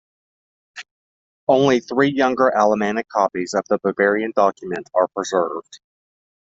Only three younger Alemannic copies of the Bavarian document are preserved.